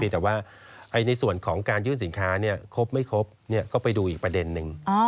แต่ว่าในส่วนของการยื่นสินค้าครบไม่ครบก็ไปดูอีกประเด็นนึง